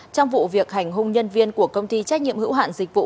trong vụ việc hành hung nhân viên của công ty trách nhiệm hữu hạn dịch vụ